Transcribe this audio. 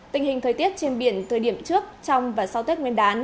tình hình thời tiết trên biển thời điểm trước trong và sau tết nguyên đán